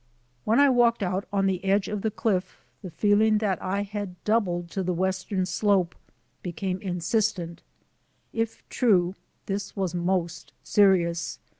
When I walked out on the edge of the cliff the feeling that I had doubled to the western slope became insistent. If true, this was most serious.